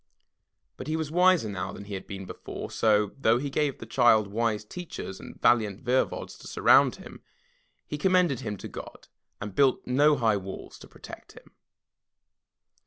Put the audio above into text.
But he was wiser now than 27 M Y BOOK HOUSE he had been before, so, though he gave the child wise teachers and valiant voevods to surround him, he com mended him to God, and built no high walls to protect him.